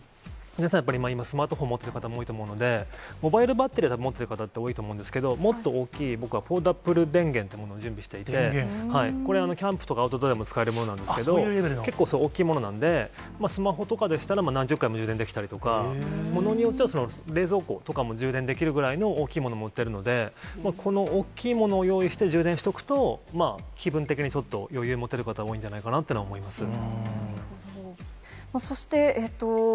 やっぱりスマートフォン持ってる方も多いと思うので、モバイルバッテリーは持ってる方って多いと思うんですけど、もっと大きい、僕はポータブル電源というものを準備していて、これ、キャンプとかアウトドアでも使えるものなんですけれども、結構大きいものなんで、スマホとかでしたら、何十回も充電できたりとか、ものによっては冷蔵庫とかも充電できるくらいの大きいものも売っているので、この大きいものを用意して充電しておくと、気分的にちょっと余裕を持てる方多いんじゃないかなというのは思そして。